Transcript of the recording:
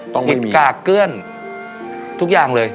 ต้องไม่มีต้องมีกากเกื้อนทุกอย่างเลย